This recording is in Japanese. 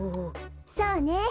そうね。